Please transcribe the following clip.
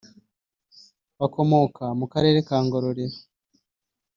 bakomoka mu Karere ka Ngororero